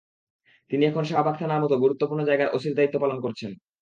তিনি এখন শাহবাগ থানার মতো গুরুত্বপূর্ণ জায়গায় ওসির দায়িত্ব পালন করছেন।